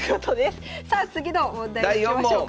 さあ次の問題いきましょうか。